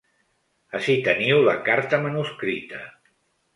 Ací teniu la carta manuscrita.